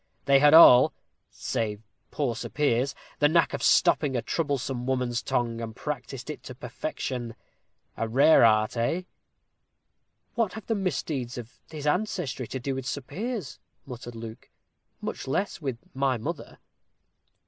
They had all, save poor Sir Piers, the knack of stopping a troublesome woman's tongue, and practised it to perfection. A rare art, eh?" "What have the misdeeds of his ancestry to do with Sir Piers," muttered Luke, "much less with my mother?"